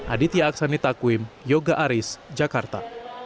aditya aksanitakwim yoga aris jakarta